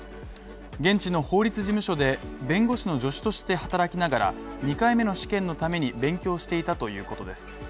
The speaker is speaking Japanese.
現地の法律事務所で弁護士の助手として働きながら、２回目の試験のために勉強していたということです。